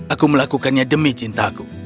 aku melakukannya demi cintaku